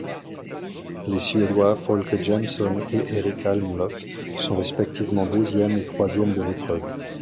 Les Suédois Folke Jansson et Erik Almlöf sont respectivement deuxième et troisième de l'épreuve.